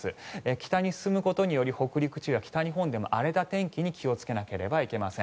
北に進むことにより北日本や北陸地方でも荒れた天気に気をつけなければいけません。